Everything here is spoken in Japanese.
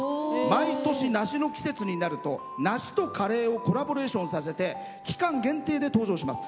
毎年、梨の季節になると梨とカレーをコラボレーションさせて期間限定で登場します。